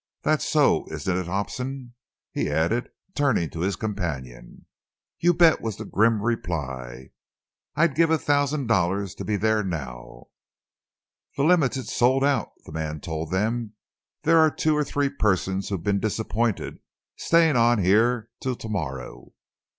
That's so, isn't it, Hobson?" he added, turning to his companion. "You bet!" was the grim reply. "I'd give a thousand dollars to be there now." "The Limited's sold out," the man told them. "There are two or three persons who've been disappointed, staying on here till to morrow."